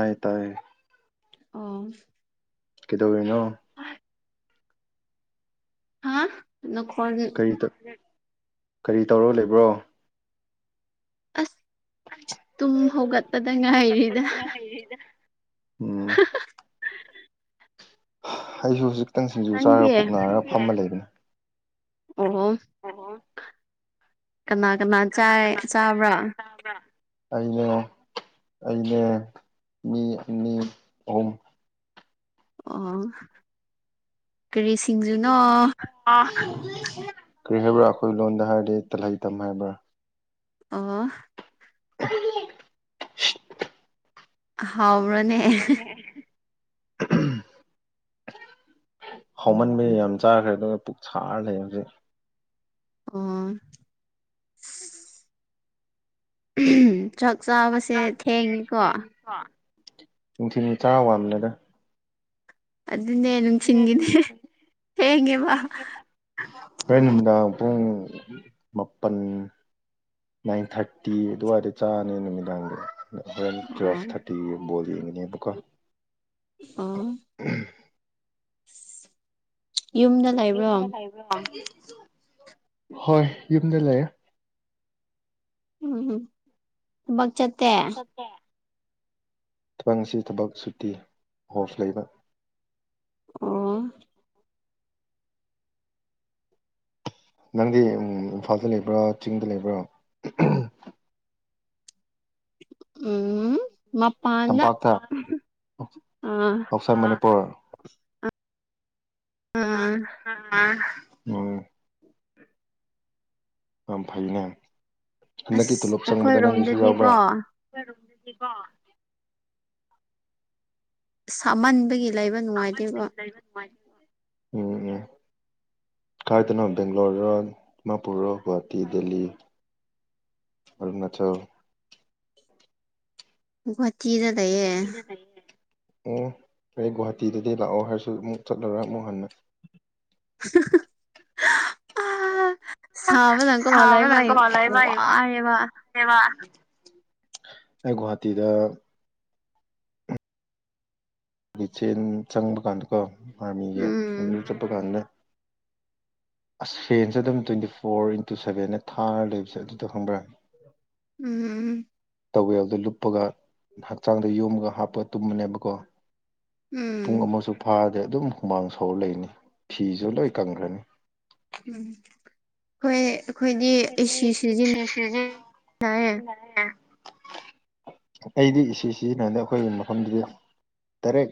ꯇꯥꯏ ꯇꯥꯏꯌꯦ ꯑ ꯀꯗ ꯑꯣꯏꯅꯣ ꯍꯥ ꯅ ꯈꯔ ꯀꯔꯤ ꯀꯔꯤ ꯇꯧꯔꯣ ꯂꯩꯕ꯭ꯔꯣ ꯑꯁ ꯇꯨꯝ ꯍꯧꯒꯠꯄꯗ ꯉꯥꯏꯔꯤꯗ ꯎꯝ ꯑꯩꯁꯨ ꯍꯧꯖꯤꯛꯇꯪ ꯁꯤꯡꯖꯨ ꯆꯥꯔꯒ ꯅꯪꯗꯤ ꯄꯨꯛ ꯅꯥꯔꯒ ꯐꯝꯃ ꯂꯩꯕꯅꯤ ꯑꯣꯍꯣ ꯀꯅꯥ ꯀꯅꯥ ꯆꯥꯏ ꯆꯥꯕ꯭ꯔꯥ ꯑꯩꯅꯦ ꯑꯩꯅꯦ ꯃꯤ ꯑꯅꯤ ꯑꯍꯨꯝ ꯑꯣ ꯀꯔꯤ ꯁꯤꯡꯖꯨꯅꯣ ꯀꯔꯤ ꯍꯥꯏꯕ꯭ꯔꯥ ꯑꯩꯈꯣꯏ ꯂꯣꯟꯗ ꯍꯥꯏꯔꯗꯤ ꯇꯜꯍꯩ ꯇꯝ ꯍꯥꯏꯕ꯭ꯔꯥ ꯑ [unintelligible] ꯍꯥꯎ꯭ꯔꯅꯦ ꯎ ꯍꯥꯎꯃꯟꯕ ꯌꯥꯝ ꯆꯥꯈ꯭ꯔꯦ ꯑꯗꯨꯒ ꯄꯨꯛ ꯁꯥꯔ ꯂꯩ ꯍꯧꯖꯤꯛ ꯑꯣ ꯆꯥꯛ ꯆꯥꯕꯁꯦ ꯊꯦꯡꯉꯤꯀꯣ ꯅꯨꯡꯊꯤꯅꯤ ꯇꯔꯥ ꯋꯥꯝꯂꯦꯗ ꯑꯗꯨꯅꯦ ꯅꯨꯡꯁꯤꯤꯟꯒꯤꯅꯦ ꯊꯦꯡꯉꯦꯕ ꯑꯔꯩ ꯅꯨꯃꯤꯗꯥꯡ ꯄꯨꯡ ꯃꯥꯄꯜ ꯅꯥꯏꯟ ꯊꯥꯔꯇꯤ ꯑꯗꯨꯋꯥꯏꯗ ꯆꯥꯅꯤ ꯅꯨꯃꯤꯗꯥꯡꯒꯤꯗ ꯋ ꯑꯣ ꯊꯔꯇꯤꯣꯜꯀ ꯑ ꯌꯨꯝꯗ ꯂꯩꯕ꯭ꯔꯣ ꯍꯣꯏ ꯌꯨꯝꯗ ꯂꯩꯌꯦꯦ ꯎꯝ ꯊꯕꯛ ꯆꯠꯇꯦ ꯊꯕꯪ ꯑꯁꯤ ꯊꯕꯛ ꯁꯨꯇꯤ ꯑꯣꯣꯐ ꯂꯩꯕ ꯑꯣ ꯅꯪꯗꯤ ꯏꯝꯐꯥꯜꯗ ꯂꯩꯕ꯭ꯔꯥ ꯆꯤꯡꯗ ꯂꯩꯕ꯭ꯔꯥ ꯎꯝ ꯃꯄꯥꯟꯗ ꯇꯝꯄꯥꯛꯇ ꯑꯥ ꯑꯥꯎꯠꯁꯥꯏꯠ ꯄꯣꯔ ꯑ ꯑ ꯎꯝ ꯌꯥꯝ ꯐꯩꯅꯦ ꯍꯟꯗꯛꯀꯤ ꯑꯁ ꯇꯣꯂꯣꯞ ꯆꯪꯕꯗ ꯅꯪꯒꯤꯁꯨ ꯑꯩꯈꯣꯏꯔꯣꯝꯗꯗꯤꯀꯣ ꯌꯥꯎꯕ꯭ꯔꯥ ꯀꯗꯤꯄꯥ ꯁꯥꯃꯟꯕꯒꯤ ꯂꯩꯕ ꯅꯨꯡꯉꯥꯏꯇꯦꯕ ꯎꯝ ꯎ ꯈꯥꯏꯗꯅꯣ ꯕꯦꯡꯒ꯭ꯂꯣꯔ ꯗꯤꯃꯥꯄꯨꯔ ꯒꯨꯍꯥꯇꯤ ꯗꯦꯜꯂꯤ ꯐ ꯅꯠꯇꯊꯧ ꯆꯤꯖ ꯏꯗ ꯂꯩ ꯑꯣ ꯑꯩ ꯒꯨꯍꯥꯇꯤꯗꯗꯤ ꯂꯥꯛꯑꯣ ꯍꯥꯏꯔꯁꯨ ꯑꯃꯨꯛ ꯆꯠꯂꯨꯔ ꯑꯃꯨꯛ ꯍꯟꯅ [inaudible] ꯑ ꯁ ꯃꯖꯪ ꯀꯃ ꯂꯩ ꯚꯥꯏ ꯋꯥꯔꯦꯕ ꯑꯩꯒꯨꯍꯥꯇꯤꯗ ꯂꯤꯆꯦꯟ ꯆꯪꯕ ꯀꯥꯟꯗꯀꯣ ꯑꯥꯔꯃꯤꯒꯤ ꯑꯗꯨ ꯎꯝ ꯆꯠꯄ ꯀꯥꯟꯗ ꯑꯁ ꯐꯦꯟꯁꯦ ꯑꯗꯨꯝ ꯇ꯭ꯋꯦꯟꯇꯤ ꯐꯣꯔ ꯏꯟꯇꯨ ꯁꯦꯚꯦꯟ ꯅ ꯊꯥꯔ ꯂꯩꯕꯁꯦ ꯑꯗꯨꯗꯣ ꯈꯪꯕ꯭ꯔꯥꯅꯤ ꯎꯝ ꯇꯧꯋꯦꯜꯗꯣ ꯂꯨꯞꯄꯒ ꯍꯛꯆꯥꯡꯗ ꯌꯣꯝꯃꯒ ꯍꯥꯞꯄꯒ ꯇꯨꯝꯕꯅꯦꯕꯀꯣ ꯎꯝ ꯄꯨꯡ ꯎꯝ ꯑꯃꯁꯨ ꯐꯥꯔꯗꯤꯦ ꯑꯗꯨꯝ ꯍꯨꯃꯥꯡ ꯁꯧꯔ ꯂꯩꯅꯤ ꯐꯤꯁꯨ ꯂꯣꯏ ꯀꯪꯈ꯭ꯔꯅꯤ ꯎꯝ ꯍꯣꯏ ꯁꯤ ꯑꯩꯗꯤ ꯏ ꯁꯤꯖꯤꯟꯅꯗ ꯑꯩꯈꯣꯏꯒꯤ ꯃꯐꯝꯗꯨꯗꯤ ꯗꯥꯏꯔꯦꯛ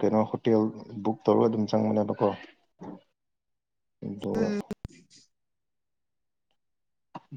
ꯀꯩꯅꯣ ꯍꯣꯇꯦꯜ ꯕꯨꯛ ꯇꯧꯔꯒ ꯑꯗꯨꯝ ꯆꯪꯕꯨꯅꯦꯅꯕꯀꯣ [inaudible] ꯎꯝ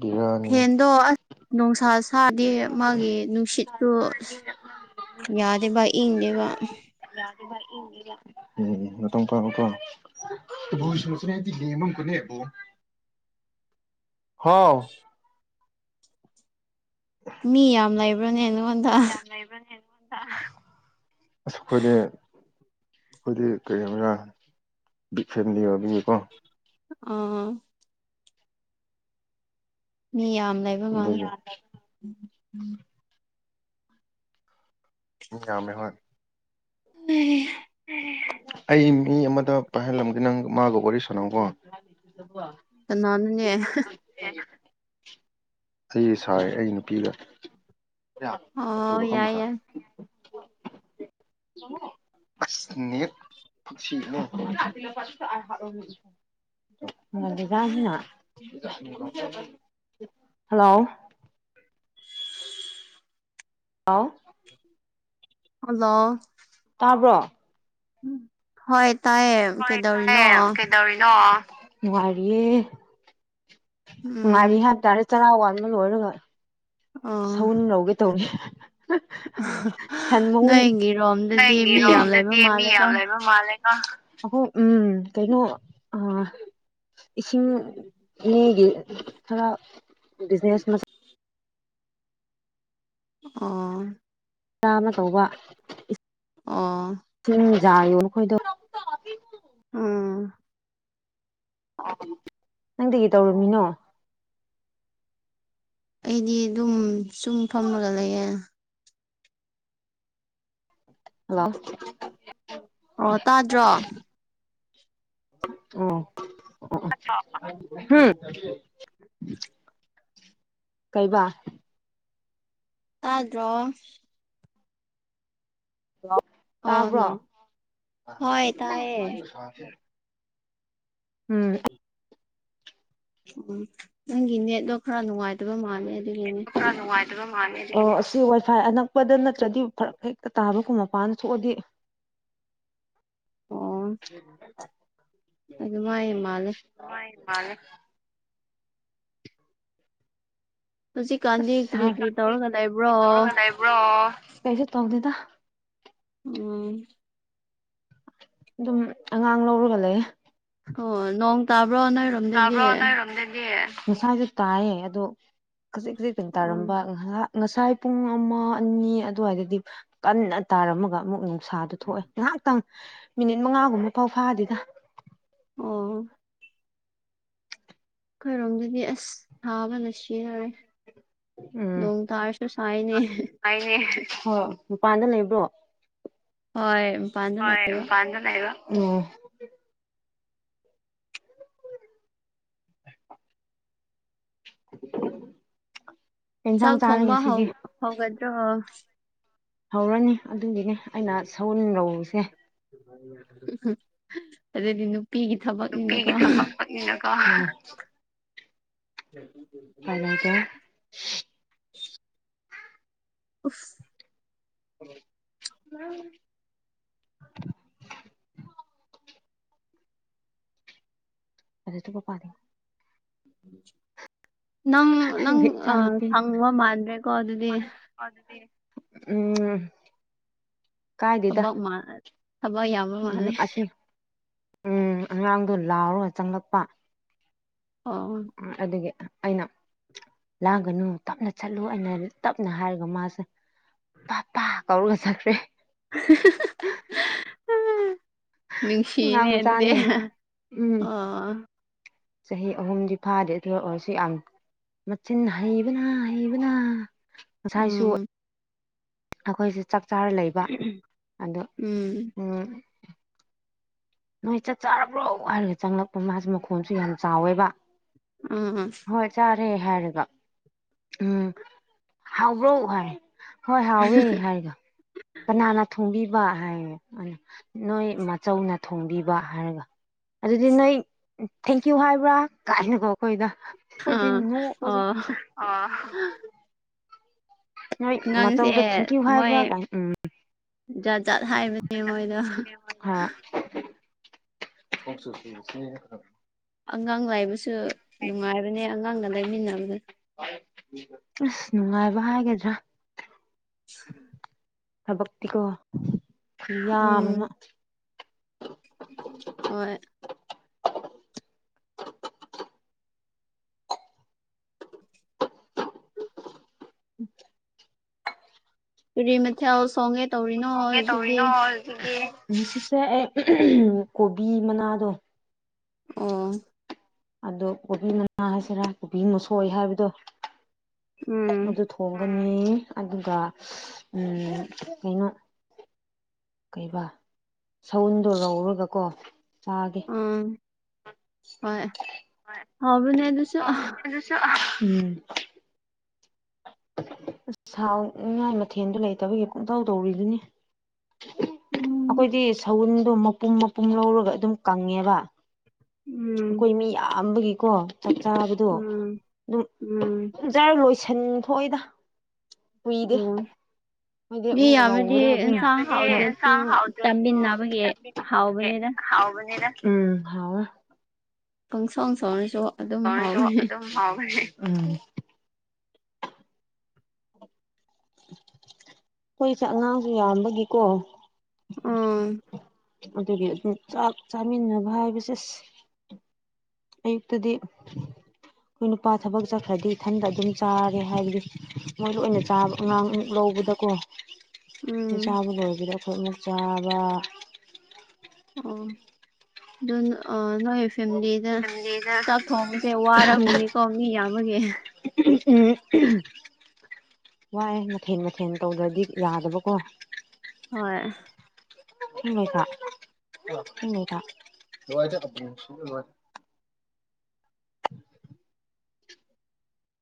ꯕꯤꯔꯥꯅꯤꯅ ꯐꯦꯟꯗꯣ ꯑꯁ ꯅꯨꯡꯁꯥ ꯁꯥꯗꯦ ꯃꯥꯒꯤ ꯅꯨꯡꯁꯤꯠꯇꯨ ꯑ ꯌꯥꯗꯦꯕ ꯏꯗꯦꯕ ꯎꯝ ꯅꯇꯪꯄꯥꯀ ꯁꯣꯆꯔꯦꯗꯤ ꯦꯃ ꯑꯃ ꯀꯅꯦꯦꯕꯣ ꯍꯥꯎ ꯃꯤ ꯌꯥꯝ ꯂꯩꯕ꯭ꯔꯣꯅꯦꯅ [unintelligible] ꯑꯩꯈꯣꯏꯗꯤ ꯀꯔꯤ ꯍꯥꯏꯕꯔꯥ ꯐꯦꯃꯤꯂꯤ ꯑꯣꯏꯕꯤꯒꯀꯣ ꯑꯥ ꯃꯤ ꯌꯥꯝ ꯂꯩꯕ ꯃꯥꯜꯂꯦ [inaudible] ꯌꯥꯝꯝꯃꯦ ꯍꯣꯏ ꯑꯩ ꯃꯤ ꯑꯃꯗ ꯄꯥꯏꯍꯜꯂꯝꯒꯦ ꯅꯪ ꯃꯥꯒ ꯋꯥꯔꯤ ꯁꯥꯟꯅꯝꯀꯣ ꯅꯅꯅꯦꯦ ꯑꯩ ꯁꯥꯏ ꯑꯩ ꯅꯨꯄꯤꯒꯆ ꯁꯥ ꯑꯣ ꯌꯥꯏ ꯌꯥꯏ ꯁꯉꯣ [unintelligible] ꯍꯗꯤ ꯌꯥꯁꯤꯅ ꯍꯜꯂꯣ ꯑꯥꯎ ꯍꯜꯂꯣ ꯇꯥꯕ꯭ꯔꯣ ꯎꯝ ꯍꯣꯏ ꯇꯥꯏꯌꯦ ꯍꯣꯏ ꯀꯩꯗꯧꯔꯤꯅꯣ ꯇꯥꯏꯌꯦ ꯀꯩꯗꯧꯔꯤꯅꯣ ꯉꯔꯤꯌꯦ ꯉꯔꯤ ꯎꯝ ꯍꯥ ꯇꯔꯦ ꯆꯔ ꯋꯥꯃꯜ ꯑꯣꯏꯔꯒ ꯑꯣ ꯁꯧꯟ ꯂꯧꯒꯦ ꯇꯧꯅꯤ ꯁꯟ ꯃꯨꯟ ꯅꯣꯏꯒꯤꯔꯣꯝꯗꯗꯤ ꯃꯤ ꯌꯥꯝ ꯂꯩꯕ ꯅꯪꯒꯤꯔꯣꯝꯗꯗꯤ ꯃꯤ ꯌꯥꯝ ꯃꯥꯜꯂꯦꯀꯣ ꯂꯩꯕ ꯃꯥꯜꯂꯦ ꯑꯩꯈꯣꯏ ꯎꯝ ꯀꯩꯅꯣ ꯏꯁꯤꯡ ꯂꯩ ꯒꯤ ꯈꯔ ꯕꯤꯖꯤꯅꯦꯁ ꯃ ꯑ ꯆꯥꯅ ꯇꯧꯕ ꯑꯥ ꯌꯥꯣꯟꯈꯣꯏꯗ ꯑꯥ ꯅꯪꯗꯒꯤ ꯇꯧꯔꯨꯝꯃꯤꯅꯣ ꯑꯩꯗꯤ ꯑꯗꯨꯝ ꯁꯨꯝ ꯐꯝꯃꯒ ꯂꯩꯌꯦꯦ ꯑꯂ ꯑꯣ ꯇꯥꯗ꯭ꯔꯣ ꯑꯣ ꯎꯝ ꯀꯩꯕ ꯑ꯭ꯔꯣ ꯑꯣ ꯇꯥꯕ꯭ꯔꯣ ꯍꯜꯂꯣ ꯍꯣꯏ ꯇꯥꯏꯌꯦ ꯎꯝ ꯎꯝ ꯅꯪꯒꯤ ꯅꯦꯠꯗꯣ ꯈꯔ ꯅꯨꯡꯉꯥꯏꯇꯕ ꯃꯥꯜꯂ ꯑꯦꯣ ꯀ ꯅꯨꯡꯉꯥꯏ ꯑꯣ ꯑꯁꯤ ꯋꯥꯏꯐꯥꯏ ꯑꯅꯛꯄꯗ ꯅꯠꯇ꯭ꯔꯗꯤ ꯐꯔꯛ ꯍꯦꯛꯇ ꯇꯥꯕꯒꯨꯝ ꯃꯄꯥꯟꯅ ꯊꯣꯛꯑꯗꯤ ꯍ ꯑꯗꯨ ꯃꯥꯏ ꯃꯥꯂꯦ ꯃꯥꯅꯦ ꯍꯧꯖꯤꯛꯀꯥꯟꯗꯤ ꯀꯔꯤ ꯑꯁꯕ꯭ꯔꯣ ꯀꯔꯤ ꯇꯧꯔꯒ ꯂꯩꯕ꯭ꯔꯣ ꯀꯩꯁꯨ ꯇꯧꯗꯦꯗ ꯑꯣ ꯑꯗꯨꯝ ꯑꯉꯥꯡ ꯂꯧꯔꯒ ꯂꯩ ꯑꯣ ꯅꯣꯡ ꯇꯥꯕ꯭ꯔꯣ ꯅꯣꯏꯔꯣꯝꯗꯗꯤ ꯁꯥꯕ꯭ꯔꯣꯅ ꯏꯔꯣꯝꯗꯦꯗꯤꯦ ꯉꯁꯥꯁꯨ ꯇꯥꯏꯌꯦ ꯑꯗꯣ ꯈꯖꯤꯛ ꯈꯖꯤꯛꯛꯇꯩꯅ ꯑꯣ ꯇꯥꯔꯝꯕ ꯉꯥꯏꯍꯥꯛ ꯉꯁꯥꯏ ꯄꯨꯡ ꯑꯃ ꯑꯅꯤ ꯑꯗꯨꯋꯥꯏꯗꯗꯤ ꯀꯟꯅ ꯇꯥꯔꯝꯃꯒ ꯑꯃꯨꯛ ꯎꯅꯨꯡꯁꯥꯗ ꯊꯣꯛꯑꯦ ꯉꯥꯏꯍꯥꯛꯇꯪ ꯃꯤꯅꯤꯠ ꯃꯉꯥꯒꯨꯝꯕ ꯄꯥꯎ ꯐꯥꯗꯦꯗ ꯑꯣ ꯈꯣꯏꯔꯣꯝꯗꯨꯗꯤ ꯑꯁ ꯊꯥꯕ ꯅ ꯁꯤꯖꯤꯟꯅꯔꯦ ꯎꯝ ꯅꯣꯡ ꯇꯥꯔꯁꯨ ꯁꯥꯏꯅꯦ ꯍꯣꯏ ꯃꯄꯥꯟꯗ ꯂꯩꯕ꯭ꯔꯣ ꯍꯣꯏ ꯃꯄꯥꯟꯗ ꯍꯣꯏ ꯂꯩꯕ ꯃꯄꯥꯟꯗ ꯂꯩꯕꯣ ꯎ [unintelligible] ꯆꯥꯛ ꯆꯥꯔꯦ ꯊꯣꯡꯕ ꯉꯁꯤꯗꯤ ꯍꯧꯒꯗ꯭ꯔꯣ ꯍꯧꯔꯅꯤ ꯑꯗꯨꯒꯤꯅꯤ ꯑꯩꯅ ꯁꯩꯎꯟ ꯂꯧꯔꯤꯁꯦ ꯑꯗꯨꯗꯤ ꯅꯨ ꯄꯤꯒꯤ ꯊꯕꯛꯅꯤꯅꯀꯣ ꯇꯜꯂꯦꯗ ꯎꯐ [inaudible] ꯑꯗꯨ ꯊꯨꯞꯄ ꯄꯥꯗꯦ [inaudible] ꯅꯪ ꯅꯪ ꯏꯆꯥ ꯑꯥ ꯅꯨꯨꯄꯤ ꯁꯪꯕ ꯃꯥꯟꯗ꯭ꯔꯦꯀꯣ ꯑꯗꯨꯗꯤ ꯎꯝ ꯀꯥꯏꯗꯦꯗ ꯊꯕꯛ ꯃꯥ ꯊꯕꯛ ꯌꯥꯝꯕ ꯎꯝ ꯃꯥꯜꯂꯦ ꯑꯁꯤ ꯎꯝ ꯑꯉꯥꯡꯗꯣ ꯂꯥꯎꯔꯒ ꯆꯪꯂꯛꯄ ꯑꯣ ꯎꯝ ꯑꯗꯨꯒꯤ ꯑꯩꯅ ꯂꯥꯡꯒꯅꯨ ꯇꯞꯅ ꯆꯠꯂꯨ ꯑꯩꯅ ꯇꯞꯅ ꯍꯥꯏꯔꯒ ꯃꯥꯁꯦ ꯄꯥ ꯄꯥ ꯀꯧꯔꯒ ꯆꯈ꯭ꯔꯦ [inaudible] ꯅꯨꯡꯁꯤꯅꯦ ꯑꯉꯥꯡ ꯑꯗꯨꯗꯦ ꯃꯆꯥꯅꯦ ꯎꯝ ꯑ ꯆꯍꯤ ꯑꯍꯨꯝꯗꯤ ꯐꯥꯗꯦ ꯑꯗꯨ ꯑꫭꯏꯔꯁꯨ ꯌꯥꯝ ꯃꯆꯤꯟ ꯍꯩꯕꯅ ꯍꯩꯕꯅ ꯉꯁꯥꯏꯁꯨ ꯎꯝ ꯑꯩꯈꯣꯏꯁꯦ ꯆꯥꯛ ꯆꯥꯔ ꯂꯩꯕ ꯑꯗꫭ ꯎꯝ ꯅꯣꯏ ꯆꯠ ꯆꯥꯔꯕ꯭ꯔꯣ ꯍꯥꯏꯔꯒ ꯆꯪꯂꯛꯄ ꯃꯥꯁꯦ ꯃꯈꯣꯟꯁꯨ ꯌꯥꯝ ꯆꯥꯎꯋꯦꯕ ꯎꯝ ꯍꯩ ꯍꯥꯏꯔꯒ ꯎꯝ ꯍꯥꯎꯕ꯭ꯔꯣ ꯍꯥꯏꯔ ꯍꯣꯏ ꯍꯥꯎꯋꯦ ꯍꯥꯏꯔꯒ ꯀꯅꯥꯅ ꯊꯣꯡꯕꯤꯕ ꯍꯥꯏꯔꯦ ꯑꯗꯨ ꯅꯣꯏ ꯃꯥꯆꯧꯅ ꯊꯣꯡꯕꯤꯕ ꯍꯥꯏꯔꯒ ꯑꯗꯨꯗꯤ ꯅꯣꯏ ꯊꯦꯡꯀ꯭ꯌꯨ ꯍꯥꯏꯕ꯭ꯔꯥ ꯀꯥꯏꯅꯀꯣ ꯑꯩꯈꯣꯏꯗ ꯑꯈꫭꯏꯖꯤ ꯑꯥ ꯅꫭꯛꯄꯖꯤ ꯑꯣ ꯑꯉꯥꯡꯁꯦ ꯊꯦꯡꯀ꯭ꯌꯨ ꯃꯣꯏ ꯍꯥꯏꯕ꯭ꯔꯥ ꯀꯥꯏꯅ ꯎꯝ ꯖꯥ ꯖꯥꯠ ꯍꯥꯏꯕꯅꯦ ꯃꯣꯏꯗꫭ ꯊꯕꯛꯁꯨ ꯁꯨ ꯁꯦ ꯈ꯭ꯔꯕ ꯑꯉꯥꯡ ꯂꯥꯏꯕꯁꯨ ꯅꯨꯡꯉꯥꯏꯕꯅꯦ ꯑꯉꯥꯡꯅ ꯂꯩꯃꯤꯟꯅꯕꯗꯨ ꯑꯁ ꯅꯨꯡꯉꯥꯏꯕ ꯍꯥꯏꯒꯗ꯭ꯔꯥ [inaudible] ꯊꯕꯛꯇꯤꯀꫭ ꯈꯨꯌꯥꯝ ꯑꯃ ꯎꯝ ꯍꯣꯏ [inaudible] ꯄꯨꯔꯤ ꯃꯊꯦꯜ ꯊꯣꯡꯒꯦ ꯊꫭꯡꯒꯦ ꯇꯧꯔꯤꯅꯣ ꯑꯗꯨꯗꯤ ꯉꯁꯤꯁꯦ ꯑꯦ ꯀꯣꯕꯤ ꯃꯅꯥꯗꯣ ꯑꯣ ꯑꯗꯣ ꯀꯣꯕꯤ ꯃꯅꯥ ꯍꯥꯏꯁꯤꯔꯥ ꯀꯣꯕꯤ ꯃꯁꯣꯏ ꯍꯥꯏꯕꯗꯣ ꯎꯝ ꯑꯗꯨ ꯊꯣꯡꯒ ꯅꯤ ꯑꯗꯨꯒ ꯎꯝ ꯀꯩꯅꯣ ꯀꯩꯕꯥ ꯁꯎꯟꯗꯣ ꯂꯧꯔꯒ ꯀꯣ ꯑꯥ ꯍꫭꯏ ꯍꯥꯎꯕꯅꯦ ꯑꯗꯨꯁꯨ ꯍꯥꯎꯚꯅꯤ ꯗꯨꯁꯨ ꯎꯝ ꯑꯁ ꯍꯥꯎꯅꯤꯡꯉꯥꯏ ꯃꯊꯦꯜꯗꯨ ꯂꯩꯇꯕꯒꯤ ꯄꯨꯡꯇꯧ ꯇꯧꯔꯤꯗꯨꯅꯤ ꯎꯝ ꯑꯩꯈꯣꯏꯗꯤ ꯁꯎꯟꯗꯣ ꯃꯄꯨꯝ ꯃꯄꯨꯝ ꯂꯧꯔꯒ ꯑꯗꯨꯝ ꯀꯪꯉꯦꯕ ꯎꯝ ꯑꯩꯈꯣꯏ ꯃꯤ ꯌꯥꯝꯌꯥꯝꯕꯒꯤꯀꯣ ꯆꯞ ꯆꯥꯕꯗꯣ ꯎꯝ ꯑꯗꯨꯝ ꯑꯗꯨꯝ ꯎꯝ ꯆꯥꯔ ꯂꯣꯏ ꯁꯟ ꯊꯣꯛꯏꯗ ꯀꯨꯏꯗꯦ ꯑꯣ ꯍꯥꯏꯗꯤ ꯃꯤ ꯑꯃꯨꯛ ꯌꯥꯝꯃꯗꯤ ꯔꯧꯕꯗ ꯏꯟꯁꯥꯡ ꯍꯥꯎꯗ꯭ꯔꯁꯨ ꯑꯗꯨꯝꯟꯁꯥꯡ ꯍꯥꯎꯗ꯭ꯔꯁꯨ ꯆꯥꯃꯤꯟꯅꯕꯒꯤ ꯍꯥꯎꯕꯅꯤꯗ ꯎꯝ ꯍꯥꯎ ꯄꯪꯁꯥꯎ ꯁꯥꯎꯅꯁꯨ ꯀꯁꯨ ꯑꯗꯨꯝ ꯍꯥꯎꯕꯅꯦ ꯑꯩꯈꯣꯏꯁꯦ ꯑꯉꯥꯡꯁꯨ ꯌꯥꯝꯕꯒꯤꯀꯣ [unintelligible] ꯑꯗꯨꯒꯤ ꯑꯗꯨꯝ ꯆꯥꯛ ꯆꯥꯃꯤꯟꯅꯕ ꯍꯥꯏꯕꯁꯦ ꯑꯁ ꯑꯌꯨꯛꯇꯗꯤ ꯑꯩꯈꯣꯏ ꯅꯨꯄꯥ ꯊꯕꯛ ꯆꯠꯈ꯭ꯔꯗꯤ ꯏꯊꯟꯇ ꯑꯗꯨꯝ ꯆꯥꯔꯦ ꯍꯥꯏꯕꯗꯤ ꯃꯣꯏꯗ ꯑꯣꯏꯅ ꯆꯥꯕ ꯑꯉꯥꯡ ꯑꯃꯨꯛ ꯂꯧꯕꯗꯀꯣꯣꯏ ꯎꯝ ꯆꯥꯕ ꯂꯣꯏꯕꯗ ꯊꯠꯅ ꯆꯥꯕ ꯑꯣ ꯑꯗꯨ ꯑ ꯅꯣꯏ ꯐꯦꯃꯤꯂꯤꯗ ꯆꯥꯛ ꯊꯣꯡꯕꯁꯦ ꯋꯥꯔꯝꯅꯤꯀꯣ ꯃꯤ ꯑꯃꯒꯤ [unintelligible] ꯋꯥꯏ ꯃꯊꯦꯜ ꯃꯊꯦꯜ ꯇꯧꯗ꯭ꯔꯗꯤ ꯌꯥꯗꯕꯀꯣ ꯍꯣꯏ ꯃꯦ